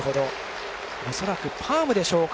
恐らく、パームでしょうか。